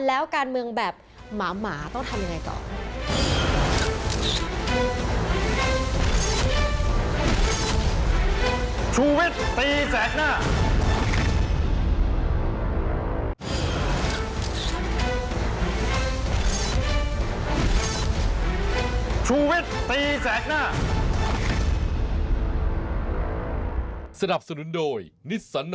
แล้วการเมืองแบบหมาหมาต้องทำยังไงต่อ